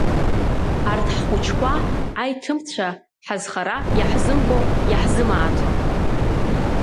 Арҭ ҳхәыҷқәа, аиҭымцәа, ҳазхара иаҳзымбо, иаҳзымааӡо…